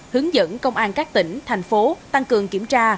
hướng dẫn công an các tỉnh thành phố tăng cường kiểm tra